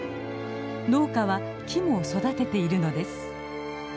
農家は木も育てているのです。